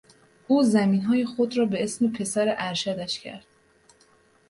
او زمینهای خود را به اسم پسر ارشدش کرد.